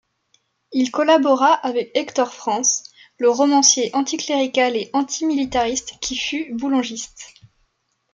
Il collabora avec Hector France, le romancier anticlérical et antimilitariste qui fut boulangiste.